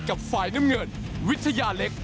กับฝ่ายน้ำเงินวิทยาเล็ก